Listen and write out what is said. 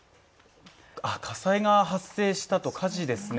火災が発生したと、火事ですね。